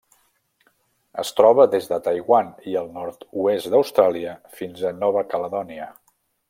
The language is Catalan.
Es troba des de Taiwan i el nord-oest d'Austràlia fins a Nova Caledònia.